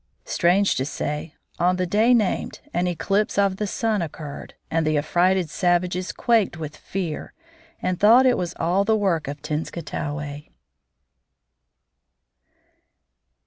Strange to say, on the day named an eclipse of the sun occurred, and the affrighted savages quaked with fear and thought it was all the work of Tenskwatawa. VI.